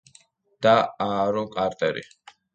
და აარონ კარტერი.